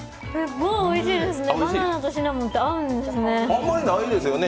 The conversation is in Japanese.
もうおいしいですね。